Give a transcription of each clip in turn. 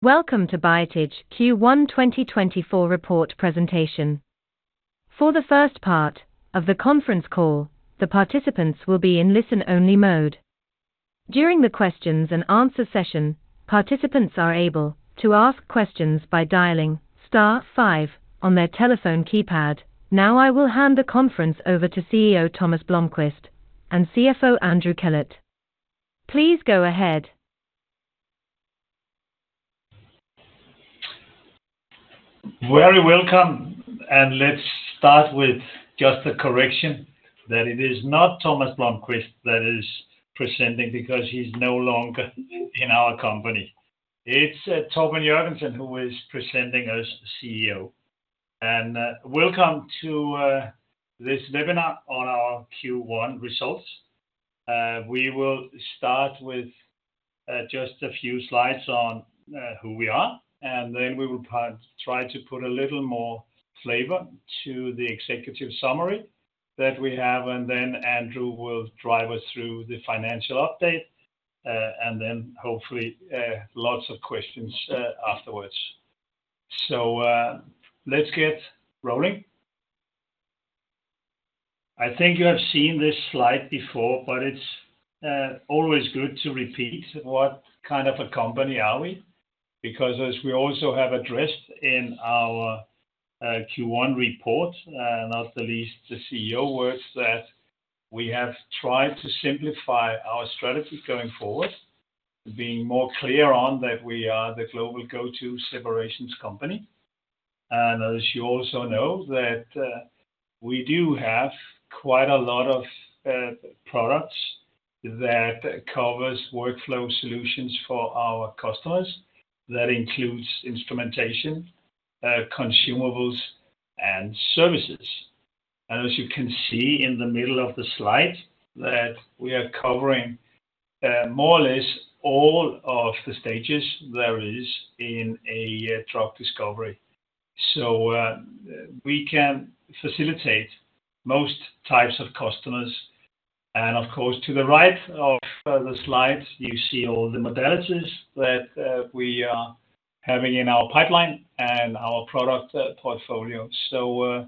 Welcome to Biotage Q1 2024 report presentation. For the first part of the conference call, the participants will be in listen-only mode. During the Q&A session, participants are able to ask questions by dialing star five on their telephone keypad. Now, I will hand the conference over to CEO Tomas Blomquist and CFO Andrew Kellett. Please go ahead. Very welcome, and let's start with just a correction, that it is not Tomas Blomquist that is presenting because he's no longer in our company. It's Torben Jørgensen, who is presenting as CEO. And, welcome to this webinar on our Q1 results. We will start with just a few slides on who we are, and then we will try to put a little more flavor to the executive summary that we have, and then Andrew will drive us through the financial update, and then hopefully lots of questions afterwards. So, let's get rolling. I think you have seen this slide before, but it's always good to repeat what kind of a company are we. Because as we also have addressed in our Q1 report, not the least, the CEO works, that we have tried to simplify our strategy going forward, being more clear on that we are the global go-to separations company. And as you also know, that we do have quite a lot of products that covers workflow solutions for our customers. That includes instrumentation, consumables, and services. And as you can see in the middle of the slide, that we are covering more or less all of the stages there is in a drug discovery. So we can facilitate most types of customers, and of course, to the right of the slide, you see all the modalities that we are having in our pipeline and our product portfolio. So,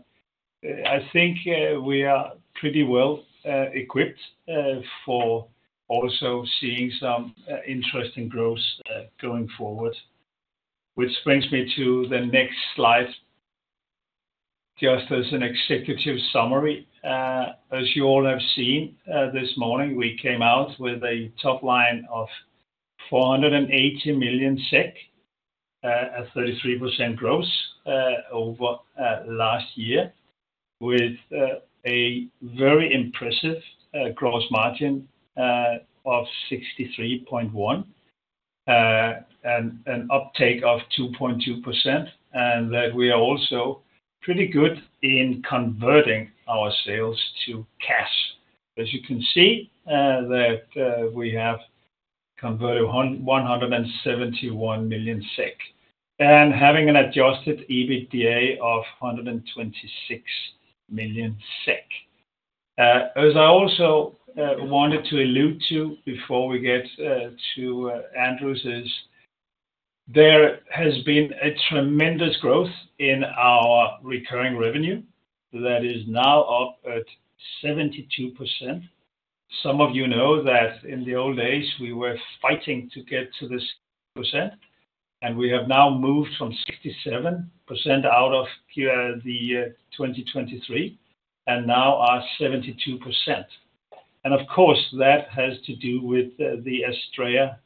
I think we are pretty well equipped for also seeing some interesting growth going forward. Which brings me to the next slide, just as an executive summary. As you all have seen this morning, we came out with a top line of 480 million SEK at 33% growth over last year, with a very impressive gross margin of 63.1% and an uptake of 2.2%, and that we are also pretty good in converting our sales to cash. As you can see, that we have converted 171 million SEK, and having an adjusted EBITDA of 126 million SEK. As I also wanted to allude to before we get to Andrew's, there has been a tremendous growth in our recurring revenue that is now up at 72%. Some of you know that in the old days, we were fighting to get to this percent, and we have now moved from 67% out of Q4 2023, and now are 72%. And of course, that has to do with the Astrea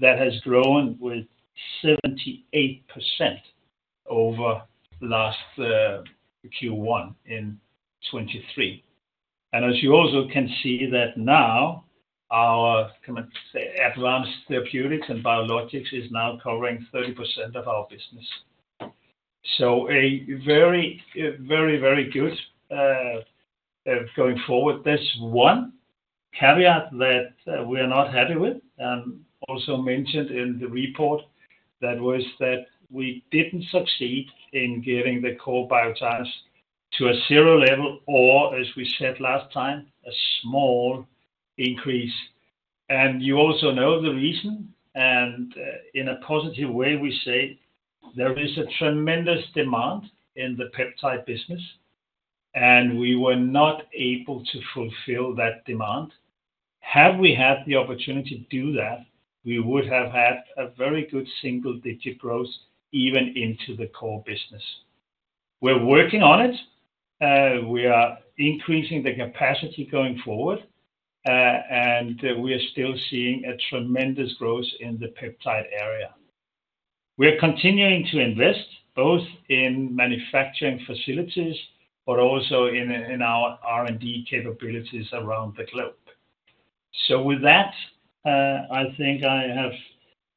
business that has grown with 78% over last Q1 in 2023. And as you also can see that now our advanced therapeutics and biologics is now covering 30% of our business. So a very, very, very good going forward. There's one caveat that we are not happy with, also mentioned in the report, that was that we didn't succeed in getting the core Biotage to a zero level, or as we said last time, a small increase. And you also know the reason, and in a positive way, we say there is a tremendous demand in the peptide business, and we were not able to fulfill that demand. Had we had the opportunity to do that, we would have had a very good single-digit growth, even into the core business. We're working on it. We are increasing the capacity going forward, and we are still seeing a tremendous growth in the peptide area. We are continuing to invest, both in manufacturing facilities, but also in our R&D capabilities around the globe. So with that, I think I have...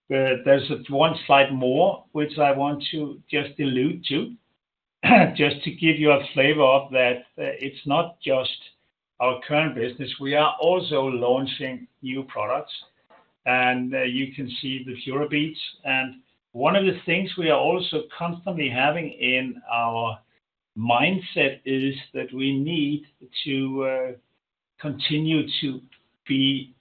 There's one slide more, which I want to just allude to, just to give you a flavor of that. It's not just our current business, we are also launching new products, and you can see the PuraBead. One of the things we are also constantly having in our mindset is that we need to continue to be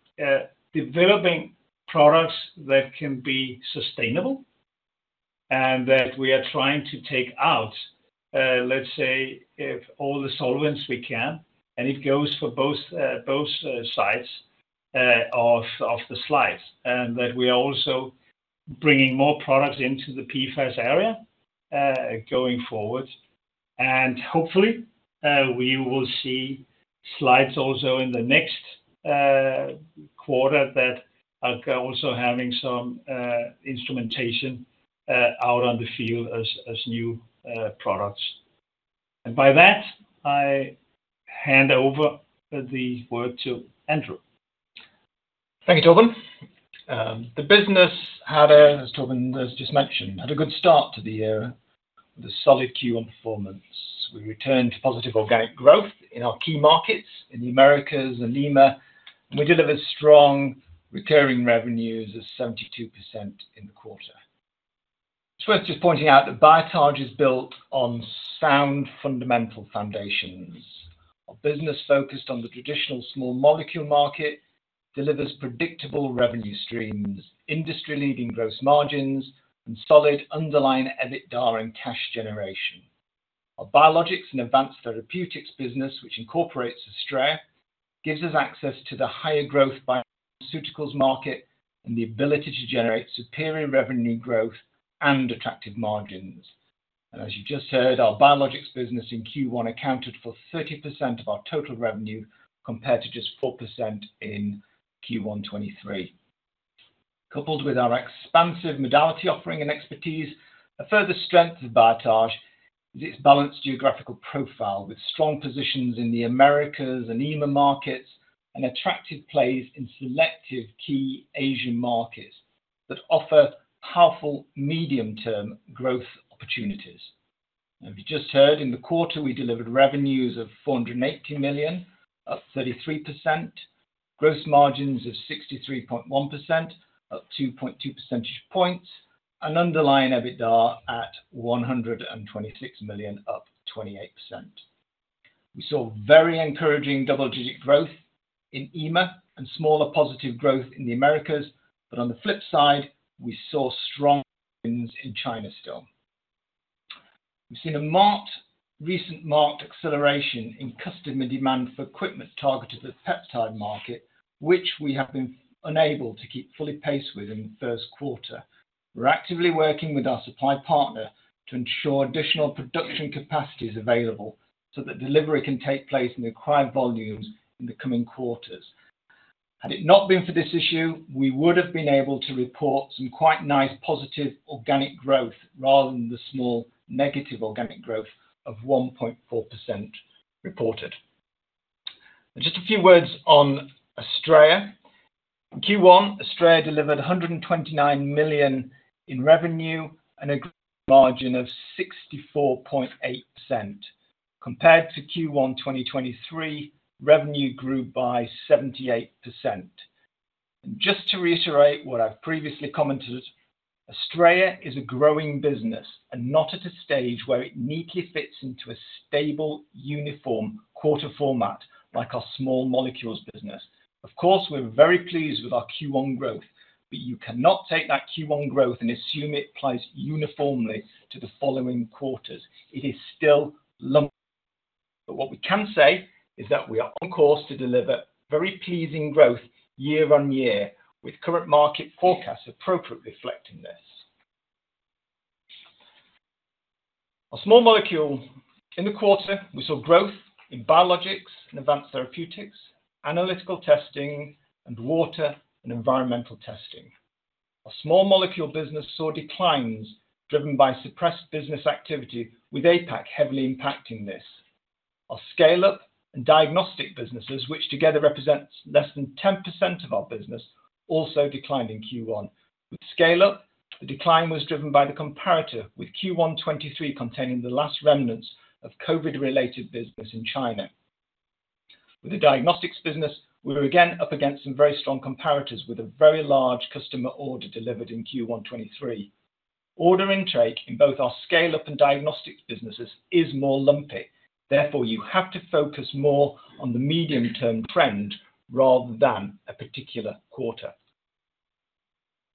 developing products that can be sustainable, and that we are trying to take out, let's say, all the solvents we can, and it goes for both sides of the slides. That we are also bringing more products into the PFAS area, going forward. Hopefully, we will see slides also in the next quarter that are also having some instrumentation out on the field as new products. By that, I hand over the word to Andrew. Thank you, Torben. The business had, as Torben has just mentioned, had a good start to the year with a solid Q1 performance. We returned to positive organic growth in our key markets in the Americas and EMA, and we delivered strong recurring revenues of 72% in the quarter. It's worth just pointing out that Biotage is built on sound fundamental foundations. Our business focused on the traditional small molecule market, delivers predictable revenue streams, industry-leading gross margins, and solid underlying EBITDA and cash generation. Our biologics and advanced therapeutics business, which incorporates Astrea, gives us access to the higher growth biopharmaceuticals market and the ability to generate superior revenue growth and attractive margins. And as you just heard, our biologics business in Q1 accounted for 30% of our total revenue, compared to just 4% in Q1 2023. Coupled with our expansive modality offering and expertise, a further strength of Biotage is its balanced geographical profile, with strong positions in the Americas and EMA markets, and attractive plays in selective key Asian markets that offer powerful medium-term growth opportunities. As you just heard, in the quarter, we delivered revenues of 480 million, up 33%, gross margins of 63.1%, up 2.2 percentage points, and underlying EBITDA at 126 million, up 28%. We saw very encouraging double-digit growth in EMA and smaller positive growth in the Americas. But on the flip side, we saw strong wins in China still. We've seen a marked recent acceleration in customer demand for equipment targeted at peptide market, which we have been unable to keep fully paced with in the first quarter. We're actively working with our supply partner to ensure additional production capacity is available so that delivery can take place in the required volumes in the coming quarters. Had it not been for this issue, we would have been able to report some quite nice positive organic growth rather than the small negative organic growth of 1.4% reported. Just a few words on Astrea. Q1, Astrea delivered 129 million in revenue and a margin of 64.8%. Compared to Q1 2023, revenue grew by 78%. Just to reiterate what I've previously commented, Astrea is a growing business and not at a stage where it neatly fits into a stable, uniform quarter format like our small molecules business. Of course, we're very pleased with our Q1 growth, but you cannot take that Q1 growth and assume it applies uniformly to the following quarters. It is still lumpy. But what we can say is that we are on course to deliver very pleasing growth year-on-year, with current market forecasts appropriately reflecting this. On small molecule, in the quarter, we saw growth in biologics and advanced therapeutics, analytical testing, and water and environmental testing. Our small molecule business saw declines driven by suppressed business activity, with APAC heavily impacting this. Our Scale-up and diagnostic businesses, which together represents less than 10% of our business, also declined in Q1. With Scale-up, the decline was driven by the comparator, with Q1 2023 containing the last remnants of COVID-related business in China. With the diagnostics business, we're again up against some very strong comparators, with a very large customer order delivered in Q1 2023. Order intake in both our Scale-up and diagnostics businesses is more lumpy. Therefore, you have to focus more on the medium-term trend rather than a particular quarter.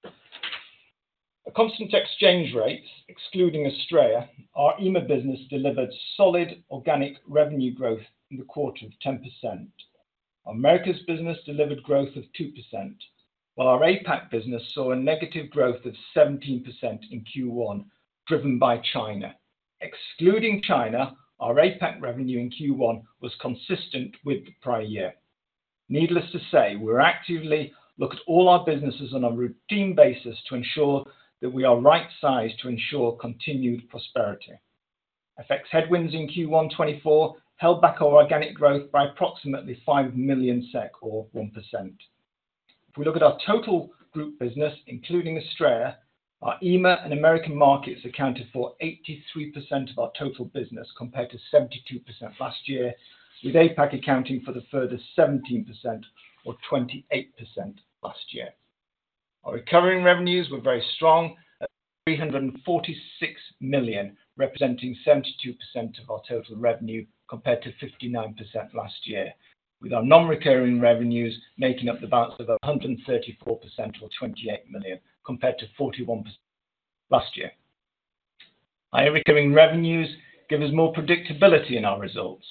At constant exchange rates, excluding Astrea, our EMA business delivered solid organic revenue growth in the quarter of 10%. Our Americas business delivered growth of 2%, while our APAC business saw a negative growth of 17% in Q1, driven by China. Excluding China, our APAC revenue in Q1 was consistent with the prior year. Needless to say, we're actively look at all our businesses on a routine basis to ensure that we are right-sized to ensure continued prosperity. FX headwinds in Q1 2024 held back our organic growth by approximately 5 million SEK, or 1%. If we look at our total group business, including Astrea, our EMA and Americas markets accounted for 83% of our total business, compared to 72% last year, with APAC accounting for the remaining 17% or 28% last year. Our recurring revenues were very strong, at 346 million, representing 72% of our total revenue, compared to 59% last year. With our non-recurring revenues making up the balance of 134 million, or 28%, compared to 41 million last year. Our recurring revenues give us more predictability in our results.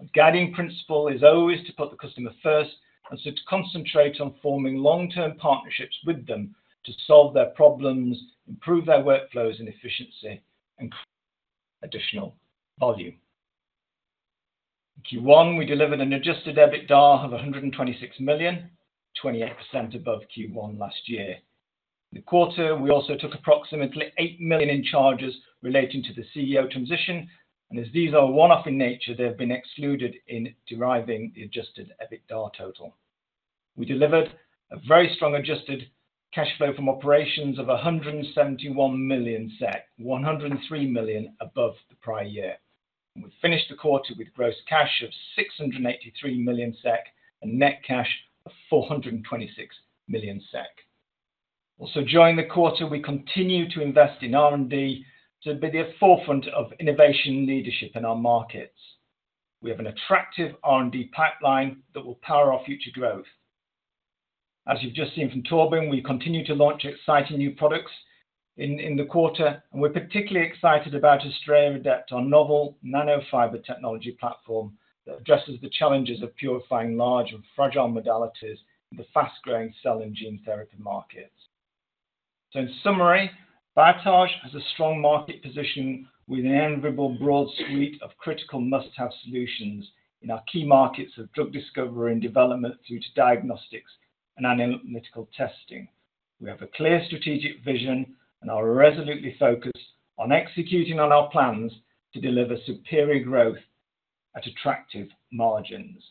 Our guiding principle is always to put the customer first, and so to concentrate on forming long-term partnerships with them to solve their problems, improve their workflows and efficiency, and additional volume. In Q1, we delivered an adjusted EBITDA of 126 million, 28% above Q1 last year. In the quarter, we also took approximately 8 million in charges relating to the CEO transition, and as these are one-off in nature, they have been excluded in deriving the adjusted EBITDA total. We delivered a very strong adjusted cash flow from operations of 171 million SEK, 103 million above the prior year. We finished the quarter with gross cash of 683 million SEK, and net cash of 426 million SEK. Also, during the quarter, we continued to invest in R&D to be the forefront of innovation leadership in our markets. We have an attractive R&D pipeline that will power our future growth. As you've just seen from Torben, we continue to launch exciting new products in the quarter, and we're particularly excited about AstreAdept, our novel nanofiber technology platform that addresses the challenges of purifying large and fragile modalities in the fast-growing cell and gene therapy markets. So in summary, Biotage has a strong market position with an enviable broad suite of critical must-have solutions in our key markets of drug discovery and development through to diagnostics and analytical testing. We have a clear strategic vision, and are resolutely focused on executing on our plans to deliver superior growth at attractive margins.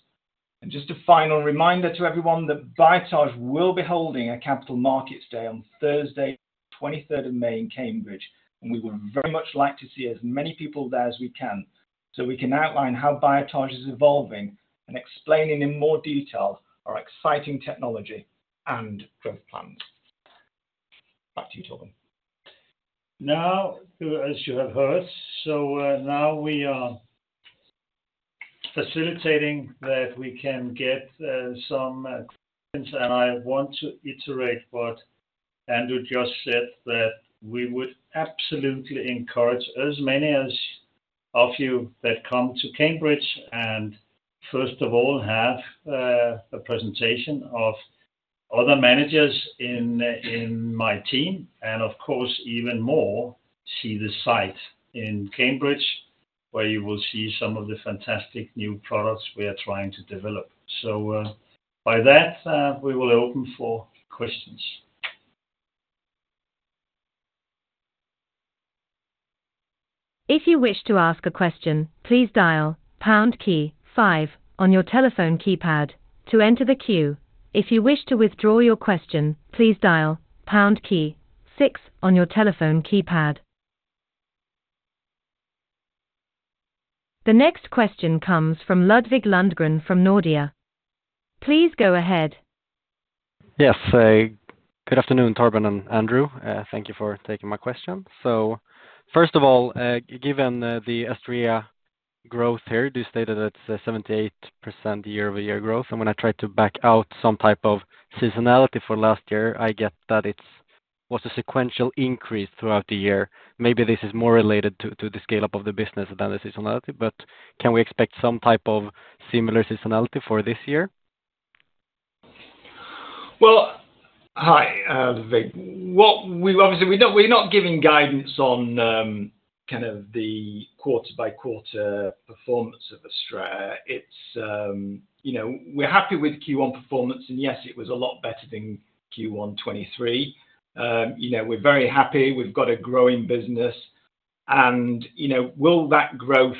Just a final reminder to everyone that Biotage will be holding a Capital Markets Day on Thursday, 23rd of May, in Cambridge, and we would very much like to see as many people there as we can, so we can outline how Biotage is evolving, and explaining in more detail our exciting technology and growth plans. Back to you, Torben. Now, as you have heard, now we are facilitating that we can get some questions, and I want to reiterate what Andrew just said, that we would absolutely encourage as many of you that come to Cambridge, and first of all, have a presentation of other managers in my team, and of course, even more, see the site in Cambridge, where you will see some of the fantastic new products we are trying to develop. So, by that, we will open for questions. If you wish to ask a question, please dial pound key five on your telephone keypad to enter the queue. If you wish to withdraw your question, please dial pound key six on your telephone keypad. The next question comes from Ludvig Lundgren from Nordea. Please go ahead. Yes, good afternoon, Torben and Andrew. Thank you for taking my question. So first of all, given the Astrea growth here, you stated it's 78% year-over-year growth. And when I tried to back out some type of seasonality for last year, I get that it was a sequential increase throughout the year. Maybe this is more related to the scale-up of the business than the seasonality, but can we expect some type of similar seasonality for this year? Well, hi, Ludvig. What we've obviously, we're not, we're not giving guidance on, kind of the quarter-by-quarter performance of Astrea. It's, you know, we're happy with Q1 performance, and yes, it was a lot better than Q1 2023. You know, we're very happy. We've got a growing business, and, you know, will that growth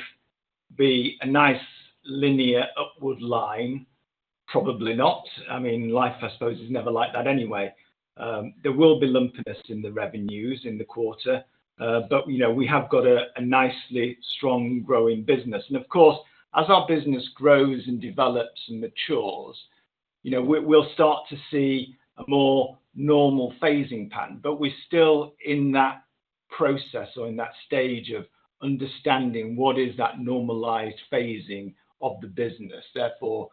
be a nice, linear upward line? Probably not. I mean, life, I suppose, is never like that anyway. There will be lumpiness in the revenues in the quarter, but, you know, we have got a, a nicely strong, growing business. And of course, as our business grows and develops and matures, you know, we'll start to see a more normal phasing pattern. But we're still in that process or in that stage of understanding what is that normalized phasing of the business. Therefore,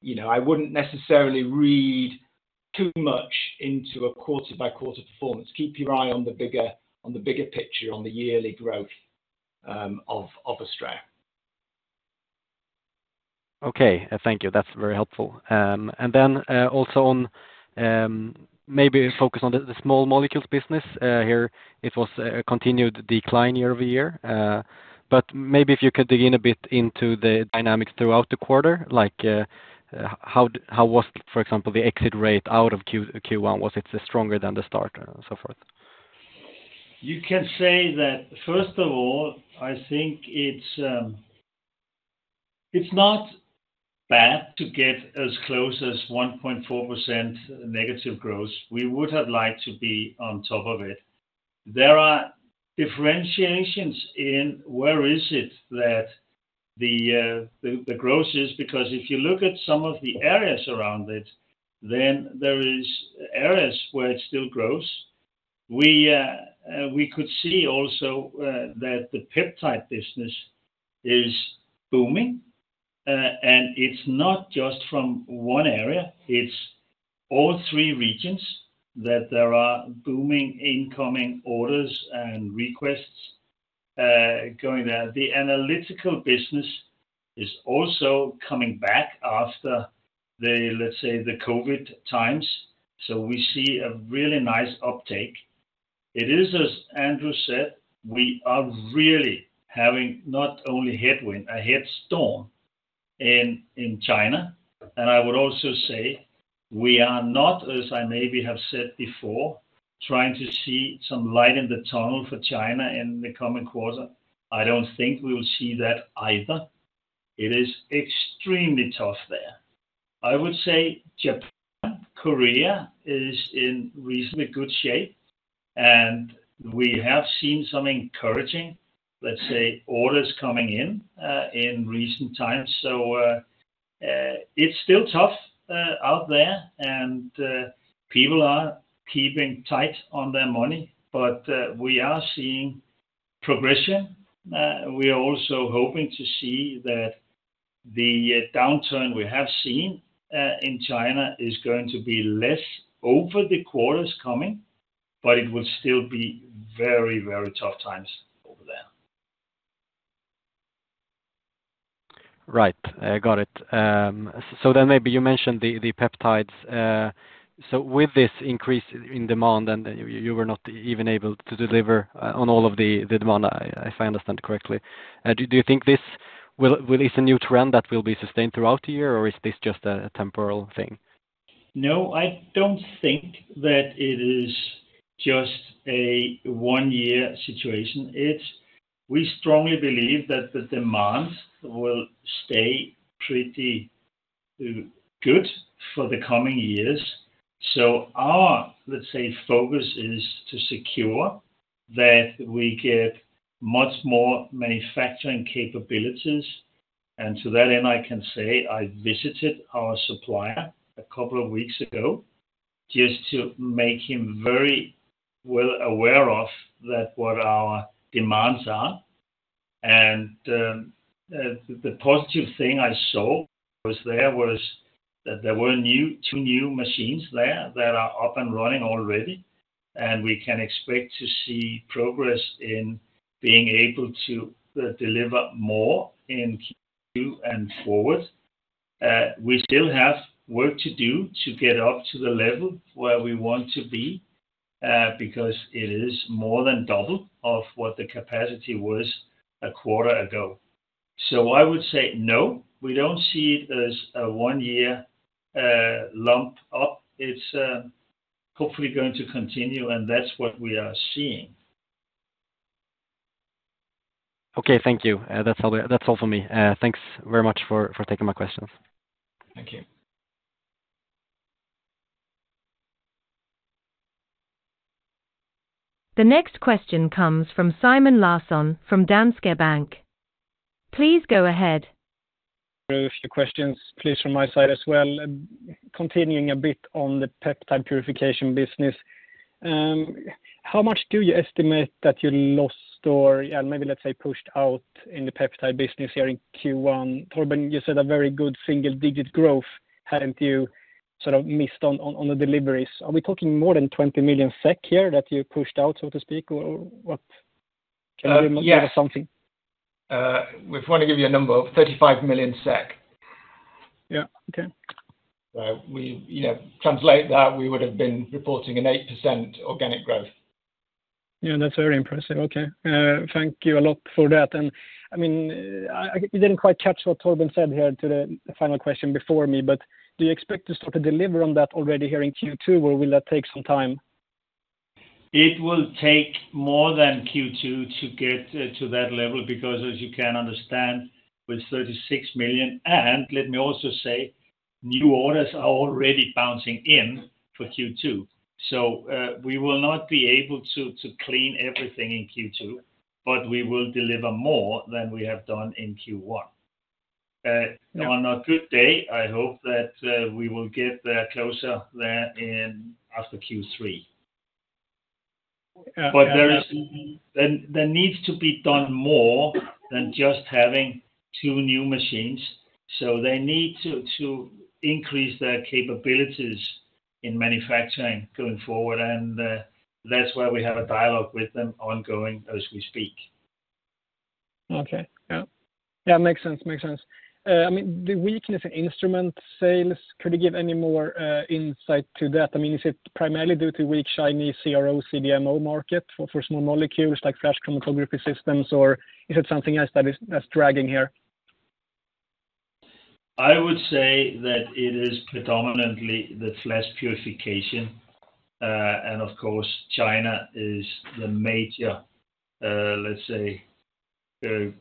you know, I wouldn't necessarily read too much into a quarter-by-quarter performance. Keep your eye on the bigger picture, on the yearly growth, of Astrea. Okay. Thank you. That's very helpful. And then, also on, maybe focus on the small molecules business. Here it was a continued decline year-over-year. But maybe if you could dig in a bit into the dynamics throughout the quarter, like, how was, for example, the exit rate out of Q1? Was it stronger than the start, and so forth? You can say that, first of all, I think it's not bad to get as close as 1.4% negative growth. We would have liked to be on top of it. There are differentiations in where is it that the growth is? Because if you look at some of the areas around it, then there is areas where it still grows. We could see also that the peptide business is booming. And it's not just from one area, it's all three regions, that there are booming incoming orders and requests going there. The analytical business is also coming back after the, let's say, the COVID times. So we see a really nice uptake. It is, as Andrew said, we are really having not only headwind, a head storm in China. I would also say we are not, as I maybe have said before, trying to see some light in the tunnel for China in the coming quarter. I don't think we will see that either. It is extremely tough there. I would say Japan, Korea, is in reasonably good shape, and we have seen some encouraging, let's say, orders coming in in recent times. So, it's still tough out there, and people are keeping tight on their money, but we are seeing progression. We are also hoping to see that the downturn we have seen in China is going to be less over the quarters coming, but it will still be very, very tough times over there. Right. I got it. So then maybe you mentioned the peptides. So with this increase in demand, and you were not even able to deliver on all of the demand, if I understand correctly. Do you think this will be a new trend that will be sustained throughout the year, or is this just a temporal thing? No, I don't think that it is just a one-year situation. It's we strongly believe that the demand will stay pretty good for the coming years. So our, let's say, focus is to secure that we get much more manufacturing capabilities. And to that end, I can say I visited our supplier a couple of weeks ago, just to make him very well aware of that, what our demands are. And the positive thing I saw was that there were two new machines there that are up and running already, and we can expect to see progress in being able to deliver more in Q2 and forward. We still have work to do to get up to the level where we want to be, because it is more than double of what the capacity was a quarter ago. I would say, no, we don't see it as a one year lump up. It's hopefully going to continue, and that's what we are seeing. Okay. Thank you. That's all, that's all for me. Thanks very much for taking my questions. Thank you. The next question comes from Simon Larsson from Danske Bank. Please go ahead. A few questions, please, from my side as well. Continuing a bit on the peptide purification business. How much do you estimate that you lost or, yeah, maybe let's say, pushed out in the peptide business here in Q1? Torben, you said a very good single digit growth, hadn't you sort of missed on the deliveries? Are we talking more than 20 million SEK here that you pushed out, so to speak, or what? Can you give us something? Yeah. We want to give you a number of 35 million SEK. Yeah. Okay. We, you know, translate that, we would have been reporting an 8% organic growth. Yeah, that's very impressive. Okay, thank you a lot for that. And I mean, I didn't quite catch what Torben said here to the final question before me, but do you expect to sort of deliver on that already here in Q2, or will that take some time? It will take more than Q2 to get to that level, because as you can understand, with 36 million, and let me also say, new orders are already bouncing in for Q2. So, we will not be able to clean everything in Q2, but we will deliver more than we have done in Q1. On a good day, I hope that we will get there closer there in after Q3. But there is... There needs to be done more than just having two new machines, so they need to increase their capabilities in manufacturing going forward, and that's why we have a dialogue with them ongoing as we speak. Okay. Yeah. Yeah, makes sense. Makes sense. I mean, the weakness in instrument sales, could you give any more insight to that? I mean, is it primarily due to weak Chinese CRO, CDMO market for small molecules like flash chromatography systems, or is it something else that's dragging here? I would say that it is predominantly the flash purification, and of course, China is the major, let's say, the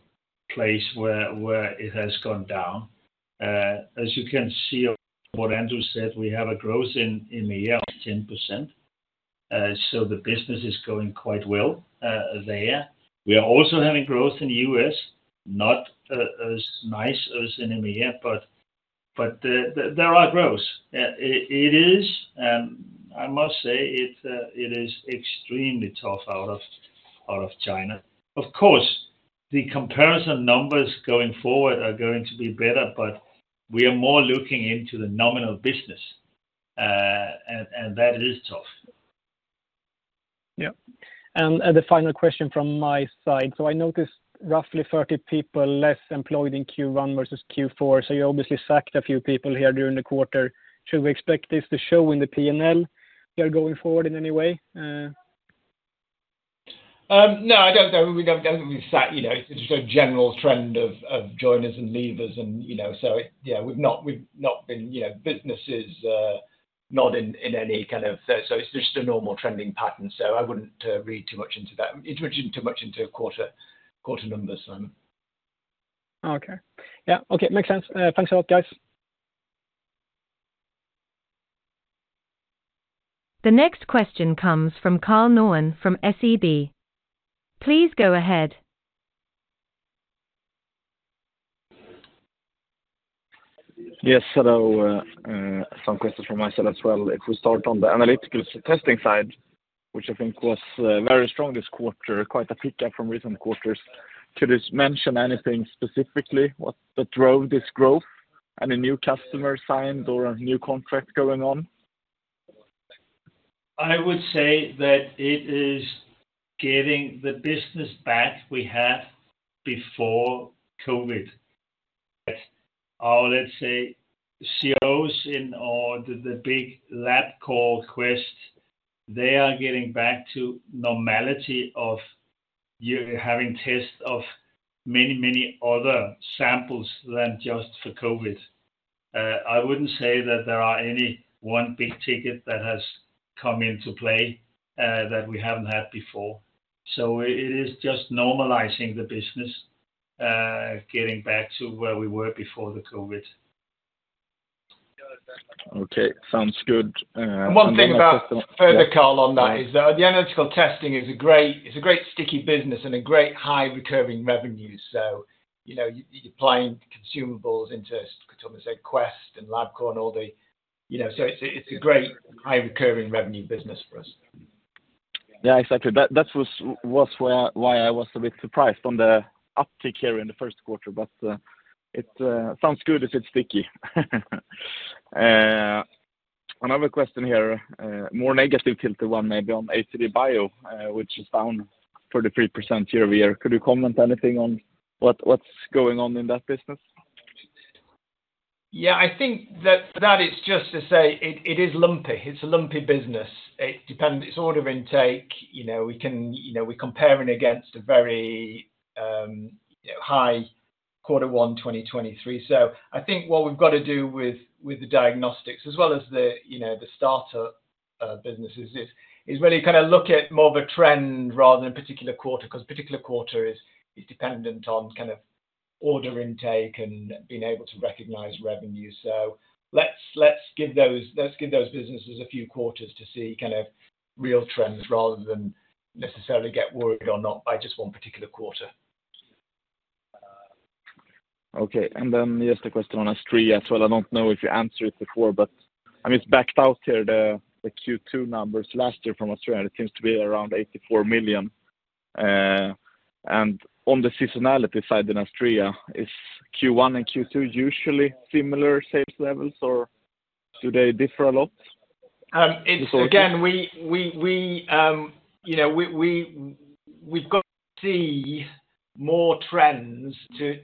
place where it has gone down. As you can see of what Andrew said, we have a growth in the year of 10%. So the business is going quite well, there. We are also having growth in the U.S., not as nice as in EMEA, but there are growths. It is, and I must say it, it is extremely tough out of China. Of course, the comparison numbers going forward are going to be better, but we are more looking into the nominal business, and that is tough. Yeah. And the final question from my side: so I noticed roughly 30 people less employed in Q1 versus Q4, so you obviously sacked a few people here during the quarter. Should we expect this to show in the P&L here going forward in any way? No, I don't know. We don't, I think we've sacked, you know, it's just a general trend of joiners and leavers and, you know, so it. Yeah, we've not been, you know, businesses not in any kind of, so it's just a normal trending pattern, so I wouldn't read too much into that, too much into quarter numbers then. Okay. Yeah. Okay, makes sense. Thanks a lot, guys. The next question comes from Karl Norén from SEB. Please go ahead. Yes, hello. Some questions from myself as well. If we start on the analytical testing side, which I think was very strong this quarter, quite a pickup from recent quarters. Could you just mention anything specifically what that drove this growth? Any new customer signed or a new contract going on? I would say that it is getting the business back we had before COVID. Let's say, CROs and the big Labcorp, Quest, they are getting back to normality of you having tests of many, many other samples than just for COVID. I wouldn't say that there are any one big ticket that has come into play, that we haven't had before. So it is just normalizing the business, getting back to where we were before the COVID. Okay. Sounds good, and one more question- And one thing about further, Karl, on that is that the analytical testing is a great, it's a great sticky business and a great high recurring revenue. So, you know, you're applying consumables into, could almost say Quest and Labcorp and all the... You know, so it's a, it's a great high recurring revenue business for us. Yeah, exactly. That, that was, was where, why I was a bit surprised on the uptick here in the first quarter, but, it, sounds good. It's sticky. Another question here, more negative filter one maybe on ATDBio, which is down 33% year-over-year. Could you comment anything on what, what's going on in that business? Yeah, I think that for that, it's just to say it, it is lumpy. It's a lumpy business. It depends, it's order intake, you know, we can... You know, we're comparing against a very, you know, high quarter one, 2023. So I think what we've got to do with, with the diagnostics as well as the, you know, the startup businesses is, is really kind of look at more of a trend rather than a particular quarter, because particular quarter is, is dependent on kind of order intake and being able to recognize revenue. So let's, let's give those, let's give those businesses a few quarters to see kind of real trends rather than necessarily get worried or not by just one particular quarter. Okay. And then just a question on Astrea as well. I don't know if you answered it before, but I mean, it's backed out here, the Q2 numbers last year from Astrea, it seems to be around 84 million. And on the seasonality side, in Astrea, is Q1 and Q2 usually similar sales levels, or do they differ a lot? It's again, we, you know, we've got to see more trends to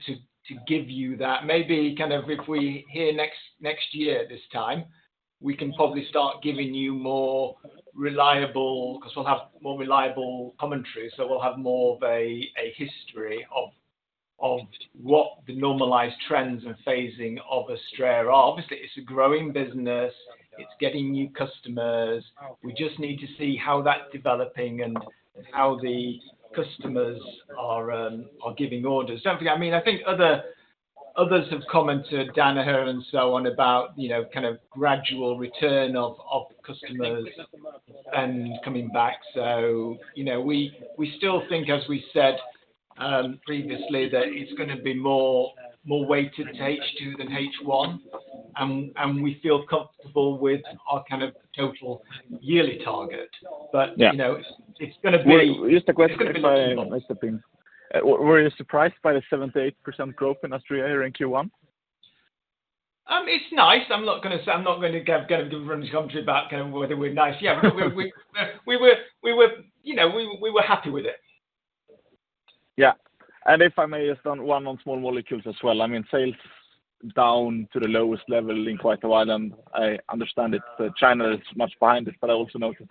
give you that. Maybe kind of if we're here next year, this time, we can probably start giving you more reliable, because we'll have more reliable commentary, so we'll have more of a history of what the normalized trends and phasing of Astrea are. Obviously, it's a growing business. It's getting new customers. We just need to see how that's developing and how the customers are giving orders. Definitely, I mean, I think others have commented, Danaher and so on, about, you know, kind of gradual return of customers and coming back. So, you know, we still think, as we said, previously, that it's gonna be more weighted to H2 than H1, and we feel comfortable with our kind of total yearly target. Yeah. You know, it's gonna be- Well, just a question, if I may step in. Were you surprised by the 7%-8% growth in Astrea here in Q1? It's nice. I'm not gonna say, I'm not going to go run the country about kind of whether we're nice. Yeah, but we were, you know, we were happy with it. Yeah. If I may ask one on small molecules as well. I mean, sales down to the lowest level in quite a while, and I understand it, that China is much behind it, but I also noticed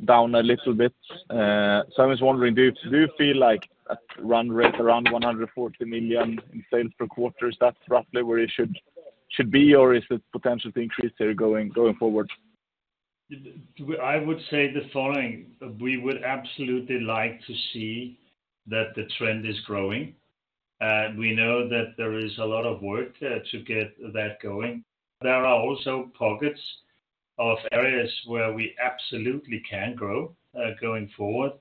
America down a little bit. So I was wondering, do you feel like a run rate around 140 million in sales per quarter, is that roughly where it should be, or is it potential to increase there going forward?... I would say the following: we would absolutely like to see that the trend is growing. We know that there is a lot of work there to get that going. There are also pockets of areas where we absolutely can grow, going forward,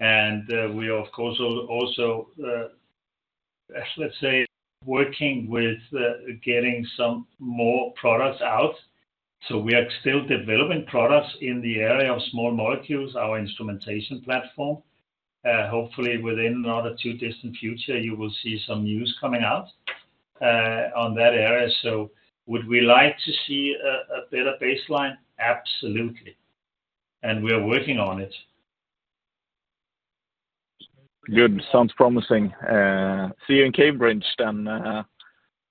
and, we of course, will also, let's say, working with, getting some more products out. So we are still developing products in the area of small molecules, our instrumentation platform. Hopefully within not a too distant future, you will see some news coming out, on that area. So would we like to see a better baseline? Absolutely, and we are working on it. Good. Sounds promising. See you in Cambridge, then,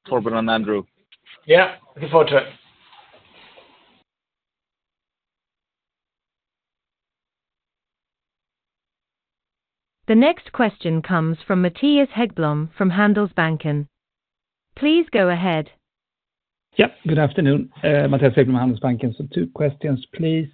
Torben and Andrew. Yeah. Look forward to it. The next question comes from Mattias Häggblom, from Handelsbanken. Please go ahead. Yeah, good afternoon. Mattias Häggblom, from Handelsbanken. So two questions, please.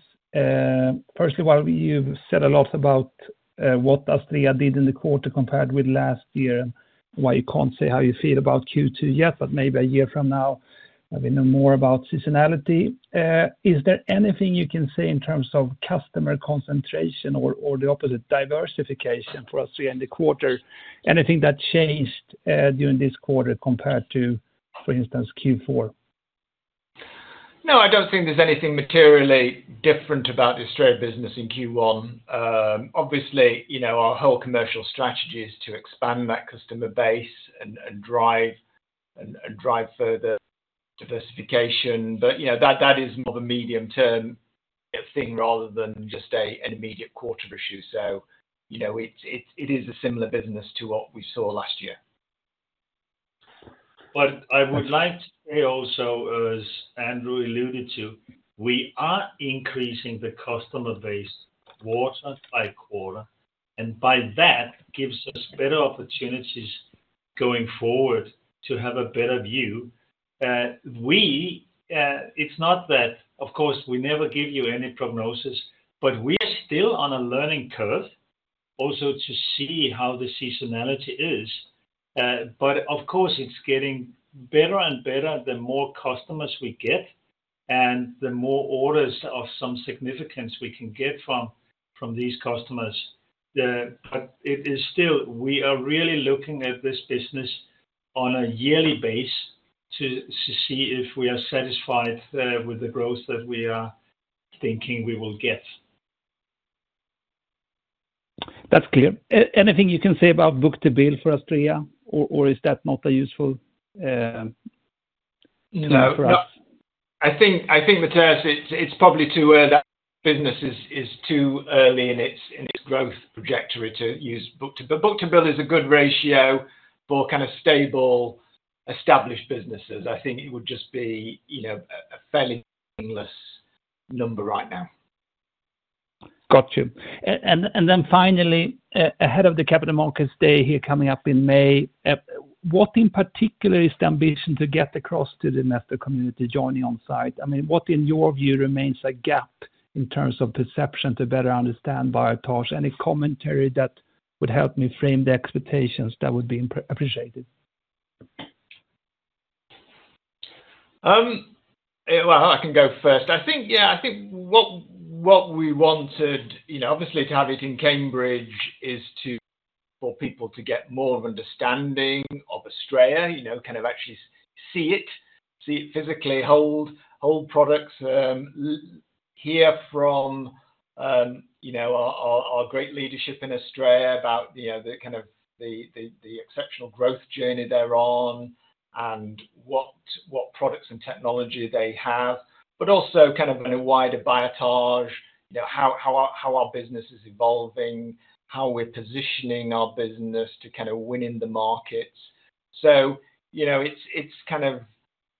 Firstly, while you've said a lot about what Astrea did in the quarter compared with last year, and why you can't say how you feel about Q2 yet, but maybe a year from now, I will know more about seasonality. Is there anything you can say in terms of customer concentration or, or the opposite, diversification for Astrea in the quarter? Anything that changed during this quarter compared to, for instance, Q4? No, I don't think there's anything materially different about Astrea business in Q1. Obviously, you know, our whole commercial strategy is to expand that customer base and drive further diversification. But, you know, that is more of a medium-term thing rather than just an immediate quarter issue. So, you know, it is a similar business to what we saw last year. But I would like to say also, as Andrew alluded to, we are increasing the customer base quarter by quarter, and by that gives us better opportunities going forward to have a better view. We, it's not that... Of course, we never give you any prognosis, but we are still on a learning curve, also to see how the seasonality is. But of course, it's getting better and better the more customers we get, and the more orders of some significance we can get from these customers. But it is still, we are really looking at this business on a yearly basis to see if we are satisfied with the growth that we are thinking we will get. That's clear. Anything you can say about book to bill for Astrea, or, or is that not a useful number for us? No, not - I think, I think, Mattias, it's, it's probably too early. That business is, is too early in its, in its growth trajectory to use book to - but book-to-bill is a good ratio for kind of stable, established businesses. I think it would just be, you know, a, a fairly meaningless number right now. Got you. And then finally, ahead of the Capital Markets Day here coming up in May, what in particular is the ambition to get across to the investor community joining on site? I mean, what in your view remains a gap in terms of perception to better understand Biotage? Any commentary that would help me frame the expectations, that would be appreciated. Well, I can go first. I think, yeah, I think what we wanted, you know, obviously to have it in Cambridge, is to, for people to get more of understanding of Astrea, you know, kind of actually see it, see it physically, hold, hold products, hear from, you know, our great leadership in Astrea about, you know, the kind of the exceptional growth journey they're on, and what products and technology they have. But also kind of in a wider Biotage, you know, how our business is evolving, how we're positioning our business to kind of win in the markets. So, you know, it's kind of,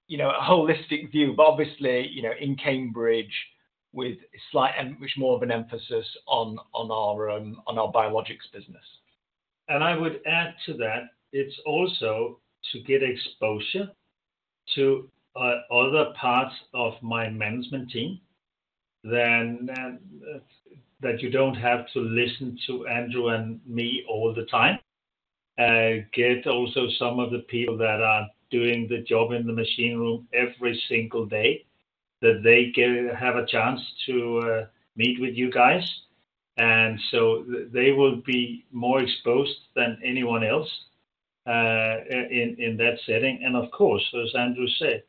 you know, a holistic view, but obviously, you know, in Cambridge with slight, and with more of an emphasis on our biologics business. And I would add to that, it's also to get exposure to other parts of my management team, then, that you don't have to listen to Andrew and me all the time. Get also some of the people that are doing the job in the machine room every single day, that they have a chance to meet with you guys. And so they will be more exposed than anyone else in that setting. And of course, as Andrew said,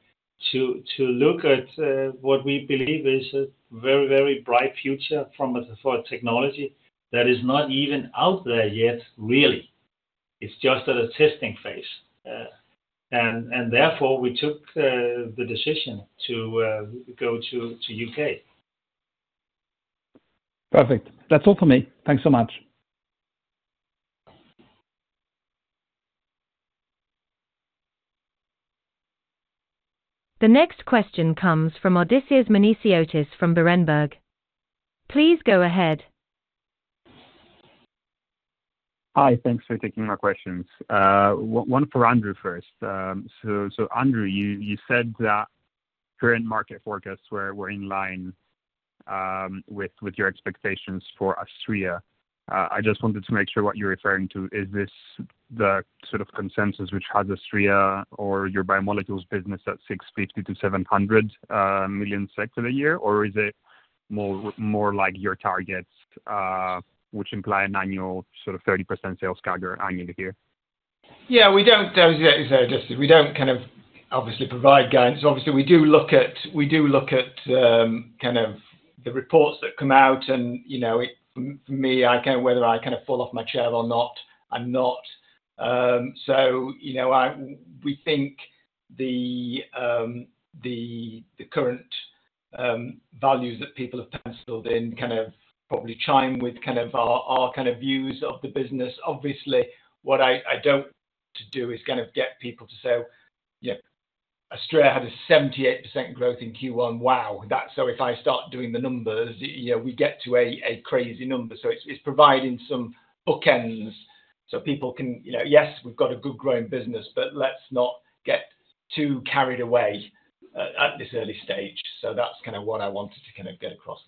to look at what we believe is a very, very bright future from a, for a technology that is not even out there yet, really. It's just at a testing phase. And therefore, we took the decision to go to U.K. Perfect. That's all for me. Thanks so much. The next question comes from Odysseas Manesiotis from Berenberg. Please go ahead.... Hi, thanks for taking my questions. One for Andrew first. So, so Andrew, you said that current market forecasts were in line with your expectations for Astrea. I just wanted to make sure what you're referring to. Is this the sort of consensus which has Astrea or your biomolecules business at 650 million-700 million for the year? Or is it more like your targets, which imply an annual sort of 30% sales CAGR annually here? Yeah, we don't just, we don't kind of obviously provide guidance. Obviously, we do look at, we do look at kind of the reports that come out and, you know, it—for me, I kind of whether I kind of fall off my chair or not, I'm not. So, you know, I, we think the, the, the current values that people have penciled in kind of probably chime with kind of our, our kind of views of the business. Obviously, what I, I don't want to do is kind of get people to say, "Yeah, Astrea had a 78% growth in Q1. Wow!" That... so if I start doing the numbers, you know, we get to a, a crazy number. So it's, it's providing some bookends so people can, you know, yes, we've got a good growing business, but let's not get too carried away at this early stage. So that's kinda what I wanted to kinda get across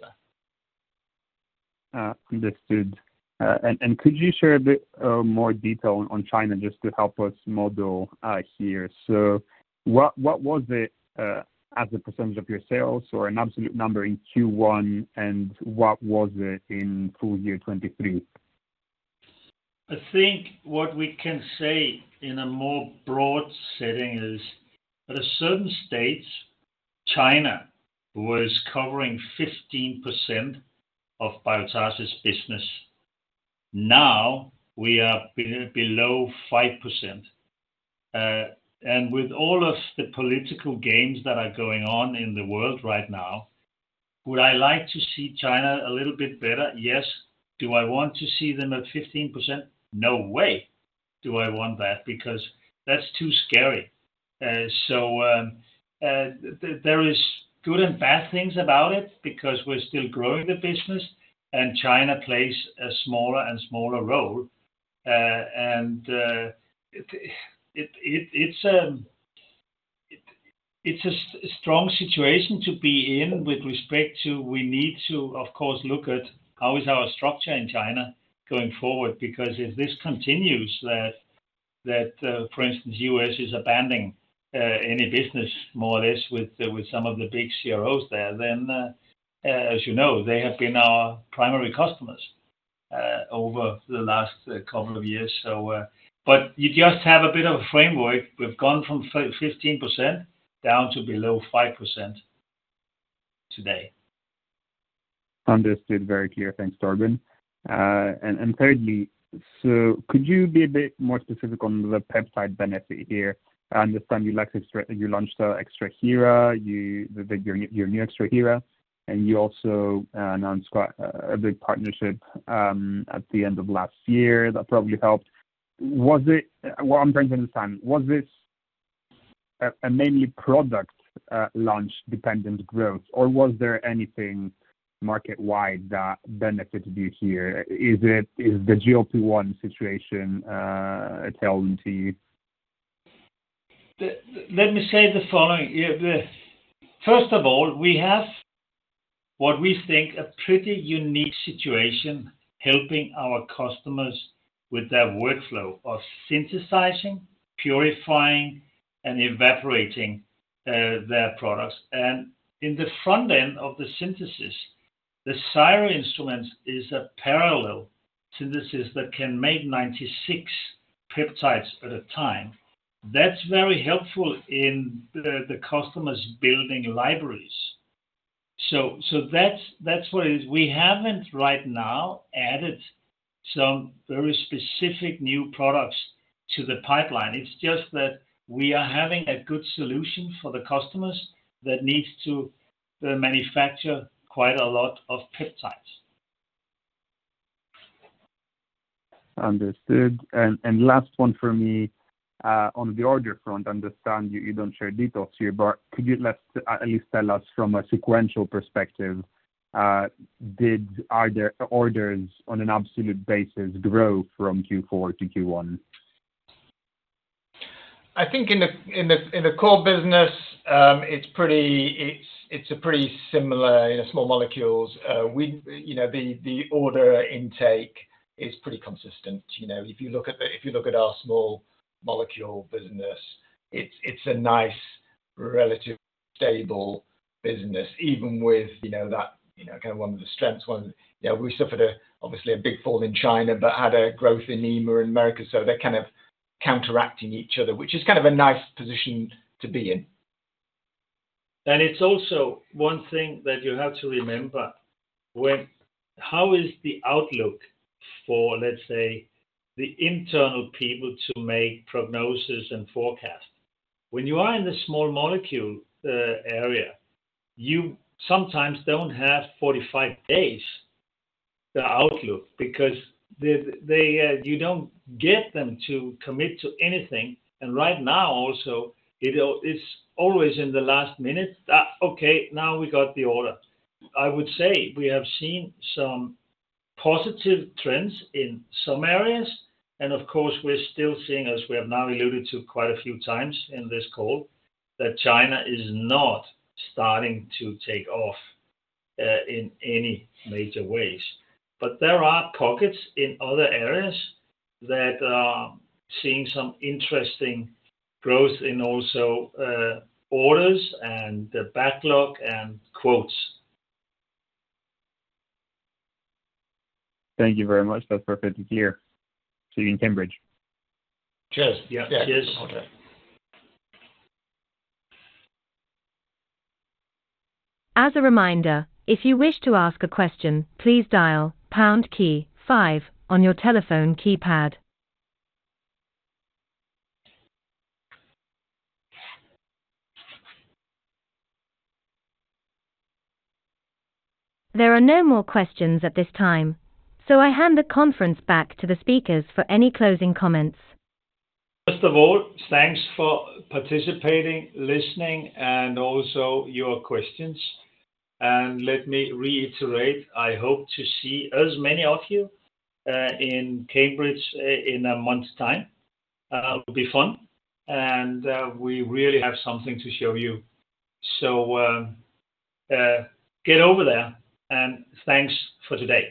there. Understood. And could you share a bit more detail on China just to help us model here? So what was it as a percentage of your sales or an absolute number in Q1, and what was it in full year 2023? I think what we can say in a more broad setting is, at a certain stage, China was covering 15% of Biotage's business. Now, we are below 5%. And with all of the political games that are going on in the world right now, would I like to see China a little bit better? Yes. Do I want to see them at 15%? No way do I want that, because that's too scary. There is good and bad things about it because we're still growing the business and China plays a smaller and smaller role. It is a strong situation to be in with respect to we need to, of course, look at how is our structure in China going forward. Because if this continues, for instance, U.S. is abandoning any business, more or less, with some of the big CROs there, then, as you know, they have been our primary customers over the last couple of years. So, but you just have a bit of a framework. We've gone from 15% down to below 5% today. Understood. Very clear. Thanks, Torben. Thirdly, so could you be a bit more specific on the peptide benefit here? I understand you launched Extrahera, your new Extrahera, and you also announced a big partnership at the end of last year. That probably helped. What I'm trying to understand is, was this a mainly product launch dependent growth, or was there anything market-wide that benefited you here? Is the GLP-1 situation telling to you? Let me say the following. Yeah, first of all, we have what we think a pretty unique situation, helping our customers with their workflow of synthesizing, purifying, and evaporating their products. And in the front end of the synthesis, the Syro instrument is a parallel synthesis that can make 96 peptides at a time. That's very helpful in the customers building libraries. So that's what it is. We haven't right now added some very specific new products to the pipeline. It's just that we are having a good solution for the customers that needs to manufacture quite a lot of peptides. Understood. And last one for me on the order front, I understand you don't share details here, but could you at least tell us from a sequential perspective, are there orders on an absolute basis grow from Q4 to Q1? I think in the core business, it's pretty similar, you know, small molecules. We, you know, the order intake is pretty consistent. You know, if you look at our small molecule business, it's a nice, relatively stable business, even with, you know, that, you know, kind of one of the strengths one. You know, we suffered, obviously, a big fall in China, but had a growth in EMEA and America, so they're kind of counteracting each other, which is kind of a nice position to be in. It's also one thing that you have to remember, when how is the outlook for, let's say, the internal people to make prognosis and forecast? When you are in the small molecule area, you sometimes don't have 45 days the outlook because they, you don't get them to commit to anything. And right now, also, it's always in the last minute. Okay, now we got the order. I would say we have seen some positive trends in some areas, and of course, we're still seeing, as we have now alluded to quite a few times in this call, that China is not starting to take off in any major ways. But there are pockets in other areas that are seeing some interesting growth in also orders and the backlog and quotes. Thank you very much. That's perfect to hear. See you in Cambridge. Cheers! Yeah. Cheers. Okay. As a reminder, if you wish to ask a question, please dial pound key five on your telephone keypad. There are no more questions at this time, so I hand the conference back to the speakers for any closing comments. First of all, thanks for participating, listening, and also your questions. Let me reiterate, I hope to see as many of you in Cambridge in a month's time. It'll be fun, and we really have something to show you. Get over there, and thanks for today.